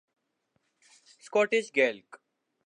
Scottish Gaelic